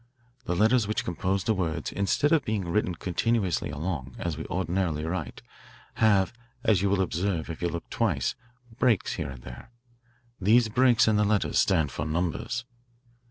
The letters which compose the words, instead of being written continuously along, as we ordinarily write, have, as you will observe if you look twice, breaks, here and there. These breaks in the letters stand for numbers.